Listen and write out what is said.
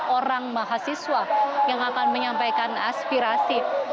orang mahasiswa yang akan menyampaikan aspirasi